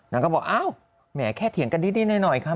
นางก็บอกแม่แค่เถียงกันนิดหน่อยค่ะ